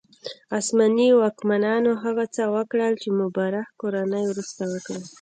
عثماني واکمنانو هغه څه وکړل چې مبارک کورنۍ وروسته وکړل.